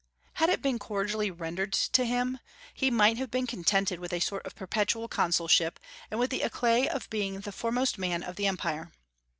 Had it been cordially rendered to him, he might have been contented with a sort of perpetual consulship, and with the éclat of being the foremost man of the Empire.